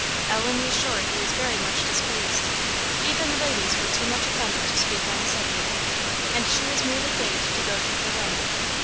Ellen was sure he was very much displeased. Even the ladies were too much offended to speak on the subject; and she was merely bade to go to her room.